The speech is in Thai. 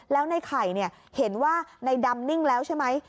แล้วในไข่เห็นว่าในดำนิ่งแล้วใช่ไหม